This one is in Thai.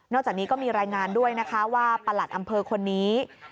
จากนี้ก็มีรายงานด้วยนะคะว่าประหลัดอำเภอคนนี้